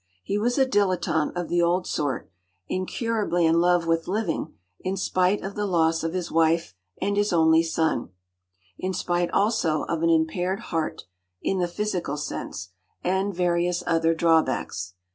He was a dilettante of the old sort, incurably in love with living, in spite of the loss of his wife, and his only son; in spite also of an impaired heart—in the physical sense—and various other drawbacks.